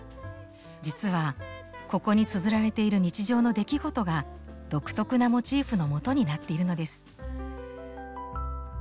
実はここにつづられている日常の出来事が独特なモチーフのもとになっているのです。